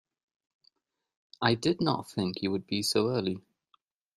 I did not think you would be so early.